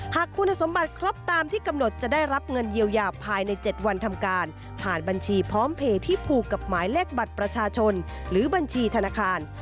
หากคุณสมบัติครบตามที่กำหนดจะได้รับเงินเยียวยาภายใน๗วันทำการผ่านบัญชีพร้อมเพย์ที่ผูกกับหมายเลขบัตรประชาชนหรือบัญชีธนาคาร